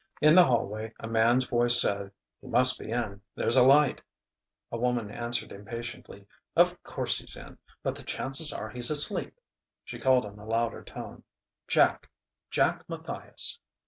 In the hallway a man's voice said: "He must be in. There's a light " A woman answered impatiently: "Of course he's in; but the chances are he's asleep." She called in a louder tone: "Jack Jack Matthias!"